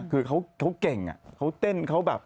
คือเขาเก่งเขาเต้นเขาแบบ